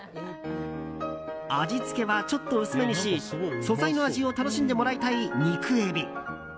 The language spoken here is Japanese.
味付けはちょっと薄めにし素材の味を楽しんでもらいたい肉エビ。